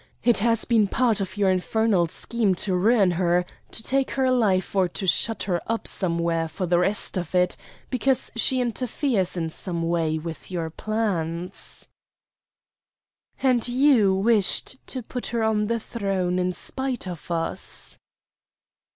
It has been part of your infernal scheme to ruin her, to take her life, or to shut her up somewhere for the rest of it, because she interferes in some way with your plans." "And you wished to put her on the throne in spite of us?"